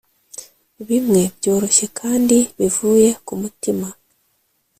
bimwe byoroshye kandi bivuye kumutima,